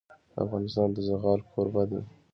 افغانستان د زغال کوربه دی.